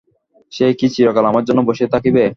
সে কি চিরকাল আমার জন্য বসিয়া থাকিবে।